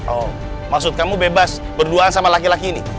oh maksud kamu bebas berduaan sama laki laki ini